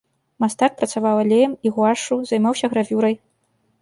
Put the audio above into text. Мастак працаваў алеем і гуашшу, займаўся гравюрай.